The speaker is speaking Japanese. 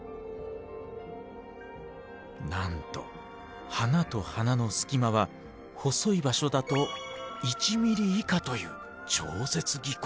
なんと花と花の隙間は細い場所だと１ｍｍ以下という超絶技巧。